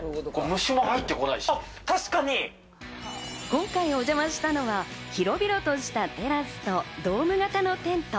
今回お邪魔したのは、広々としたテラスとドーム型のテント。